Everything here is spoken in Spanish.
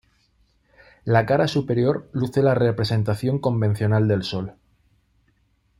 La cara superior luce la representación convencional del sol.